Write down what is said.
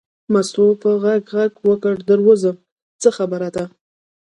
مستو په غږ غږ وکړ در وځم څه خبره ده.